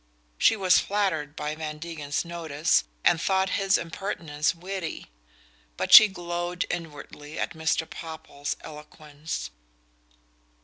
She was flattered by Van Degen's notice, and thought his impertinence witty; but she glowed inwardly at Mr. Popple's eloquence.